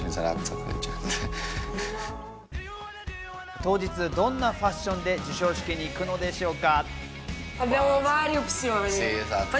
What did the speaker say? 当日どんなファッションで授賞式に行くのでしょうか。